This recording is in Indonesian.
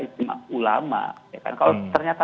istimewa ulama kalau ternyata